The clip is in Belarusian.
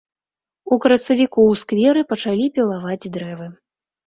У красавіку ў скверы пачалі пілаваць дрэвы.